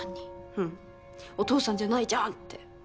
うんお父さんじゃないじゃんって。